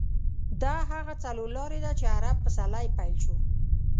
دا هغه څلور لارې ده چې عرب پسرلی پیل شو.